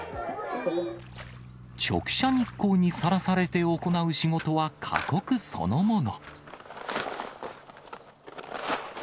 直射日光にさらされて行う仕事は過酷そのもの。